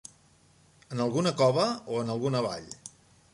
En alguna cova o alguna vall.